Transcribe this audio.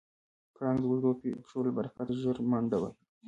پړانګ د اوږدو پښو له برکته ژر منډه وهي.